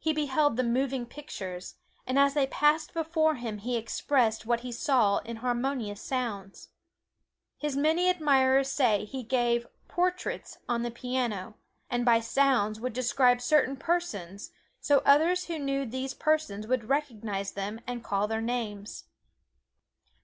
He beheld the moving pictures, and as they passed before him he expressed what he saw in harmonious sounds. His many admirers say he gave "portraits" on the piano, and by sounds would describe certain persons, so others who knew these persons would recognize them and call their names.